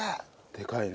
でかいね。